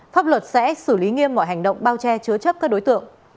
pháp luật sẽ xử lý nghiêm mọi hành động bao che chứa chấp các đối tượng